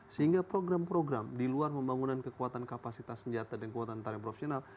sehingga program program di luar pembangunan kekuatan kapasitas senjata dan kekuatan tarif profesional